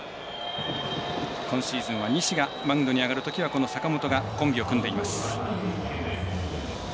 今シーズンは西がマウンドに上がるときはこの坂本がコンビを組んでいます。